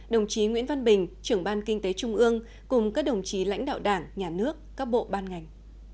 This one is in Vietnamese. đồng chí nguyễn văn bình trưởng ban kinh tế trung ương cùng các đồng chí lãnh đạo đảng nhà nước các bộ ban ngành